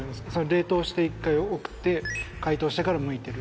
冷凍して一回送って解凍してからむいてる？